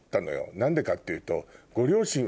何でかっていうと。